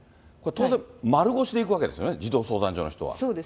当然、丸腰で行くわけですよね、児童相談所の方は。